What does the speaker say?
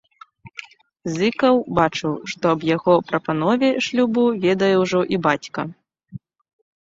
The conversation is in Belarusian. Зыкаў бачыў, што аб яго прапанове шлюбу ведае ўжо і бацька.